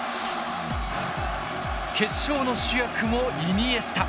決勝の主役もイニエスタ。